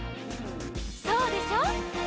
「そうでしょ？」